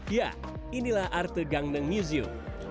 ya inilah arte gangneng museum